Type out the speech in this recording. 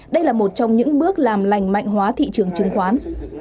đây là một trong những bước làm lành mạnh hóa thị trường chứng khoán